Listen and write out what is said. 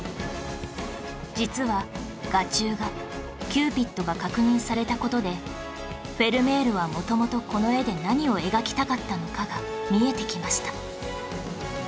実は画中画キューピッドが確認された事でフェルメールは元々この絵で何を描きたかったのかが見えてきました